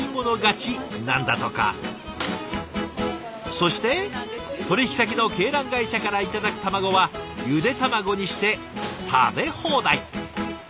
そして取引先の鶏卵会社から頂く卵はゆで卵にして食べ放題。